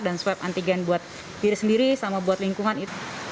dan swab antigen buat diri sendiri sama buat lingkungan itu